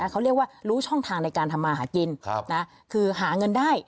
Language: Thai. เขาเรียกว่ารู้ช่องทางในการทำมาหากินคือหาเงินได้